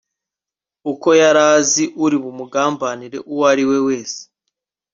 uko yari azi uri bumugambanire uwo ari wese